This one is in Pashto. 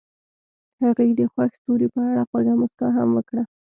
هغې د خوښ ستوري په اړه خوږه موسکا هم وکړه.